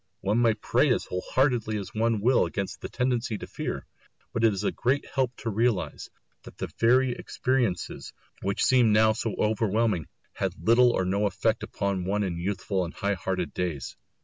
One may pray as whole heartedly as one will against the tendency to fear; but it is a great help to realise that the very experiences which seem now so overwhelming had little or no effect upon one in youthful and high hearted days.